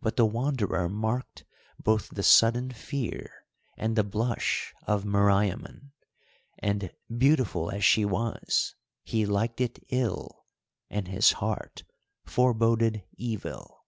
But the Wanderer marked both the sudden fear and the blush of Meriamun, and, beautiful as she was, he liked it ill, and his heart foreboded evil.